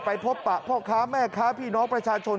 พบปะพ่อค้าแม่ค้าพี่น้องประชาชน